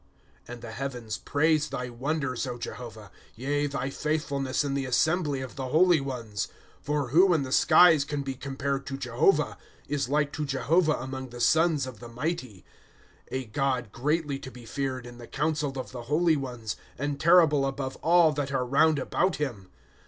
^ And tho heavens praise thy wonders, Jehovah, Yea, thy fiiithfiilneas in the assembly of the holy ones. " For who in the skies can be compared to Jehovah, Is like to Jehovah among the sons of the mighty ;' A God greatly to be feared in the council of the holy ones, And terrible above all that are round about him?